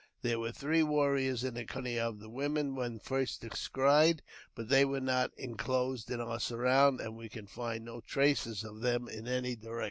There were three warriors in the company of the women when first descried, but they were not enclosed in our surround, and we could find no traces of them in any direction.